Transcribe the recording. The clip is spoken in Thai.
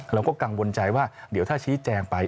เราก็กังวลใจว่าเดี๋ยวถ้าชี้แจงไป